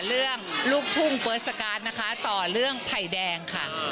เรื่องลูกทุ่งเบอร์สการด์นะคะต่อเรื่องไผ่แดงค่ะ